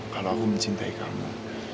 kalau aku mencintai kamu